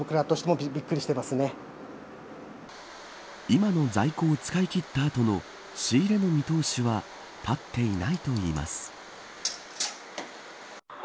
今の在庫を使い切った後の仕入れの見通しが立っていないといいます。